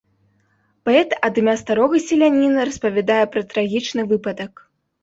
Паэт ад імя старога селяніна распавядае пра трагічны выпадак.